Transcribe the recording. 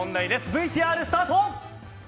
ＶＴＲスタート！